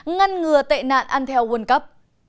ngăn ngừa tệ nạn ăn theo world cup